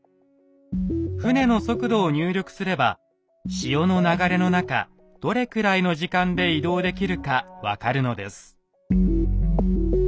船の速度を入力すれば潮の流れの中どれくらいの時間で移動できるか分かるのです。